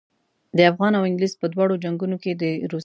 د افغان او انګلیس په دواړو جنګونو کې د روسي افسرانو حضور.